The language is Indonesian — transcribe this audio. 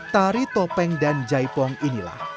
tari topeng dan jaipong inilah